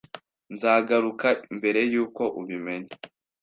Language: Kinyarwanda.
Nzagaruka mbere yuko ubimenya.